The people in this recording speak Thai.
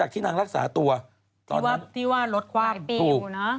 ที่ว่ารถความผลุ